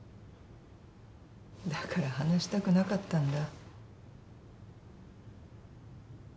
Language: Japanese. だから話したくなかったんだ。